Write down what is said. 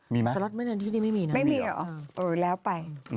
มีเหรอคะไม่มีเหรอเออแล้วไป